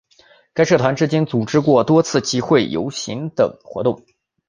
该社团至今组织过多次集会游行等活动。